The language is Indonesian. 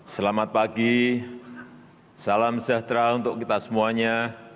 selamat pagi salam sejahtera untuk kita semuanya